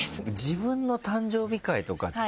自分の誕生日会とかってどうですか？